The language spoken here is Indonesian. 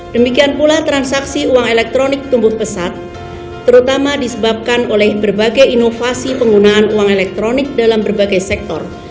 demikian pula transaksi uang elektronik tumbuh pesat terutama disebabkan oleh berbagai inovasi penggunaan uang elektronik dalam berbagai sektor